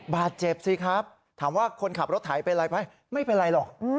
บาดเจ็บสิครับถามว่าคนขับรถไถเป็นอะไรไหมไม่เป็นไรหรอก